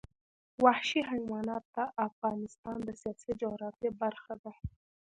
وحشي حیوانات د افغانستان د سیاسي جغرافیه برخه ده.